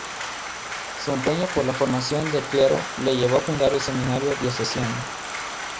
Su empeño por la formación del clero le llevó a fundar el seminario diocesano.